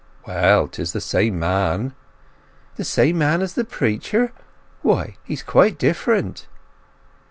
"Well—this is the same man." "The same man as the preacher? But he's quite different!"